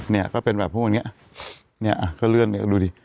เนี่ยก็เป็นแบบพวกเนี้ยเนี่ยอ่ะก็เลื่อนเนี่ยดูดิ